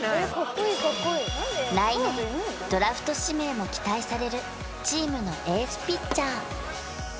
来年ドラフト指名も期待されるチームのエースピッチャー